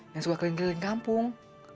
yang suka keliling keliling kampung